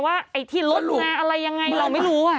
ว่าไอ้ที่รถอะไรยังไงเราไม่รู้